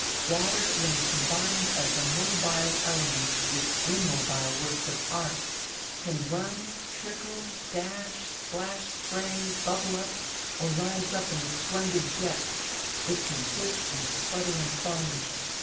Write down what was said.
Water when combined as a mobile element with immobile works of art, can run, trickle, dash, splash, spray, bubble up, or rise up in a splendid jet. It can hiss and sputter and foam.